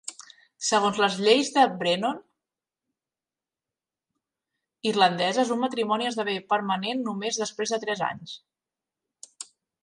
Segons les "Lleis de Brehon" irlandeses, un matrimoni esdevé permanent només després de tres anys.